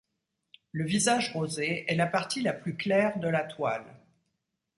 Le visage rosé est la partie la plus claire de la toile.